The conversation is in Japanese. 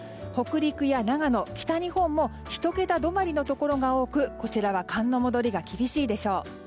北陸や長野、北日本も１桁止まりのところが多くこちらは寒の戻りが厳しいでしょう。